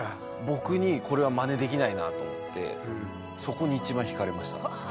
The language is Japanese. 僕にこれはまねできないなと思ってそこに一番ひかれました。